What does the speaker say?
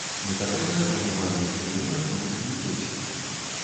Некаторыя набываюць жыллё на будучыню дзецям.